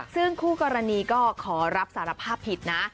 ซึ่งคู่กรณีก็ขอรับสารภาพผิดนะ